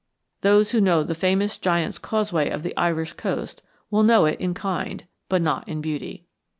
Those who know the famous Giant's Causeway of the Irish coast will know it in kind, but not in beauty.